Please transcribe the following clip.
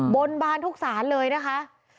บนบานทุกศาลเลยนะคะ